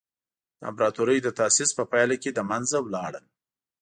د امپراتورۍ د تاسیس په پایله کې له منځه لاړل.